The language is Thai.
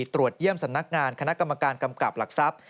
ตรวจเยี่ยมสำนักงานคณะกรรมการกำกับหลักทรัพย์